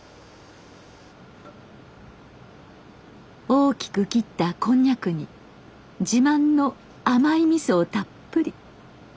大きく切ったこんにゃくに自慢の甘いみそをたっぷり。